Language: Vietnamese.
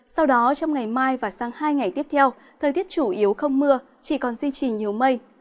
sau đó trong ngày mai và sang hai ngày tiếp theo thời tiết chủ yếu không mưa chỉ còn duy trì nhiều mây